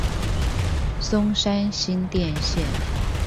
松山新店線